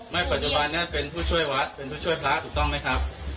ปัจจุบันนี้เป็นผู้ช่วยวัดเป็นผู้ช่วยพระถูกต้องไหมครับ